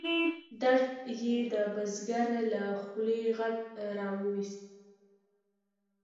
درد یې د بزګر له خولې غږ را ویوست.